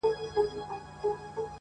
د پاچا يې د جامو كړل صفتونه؛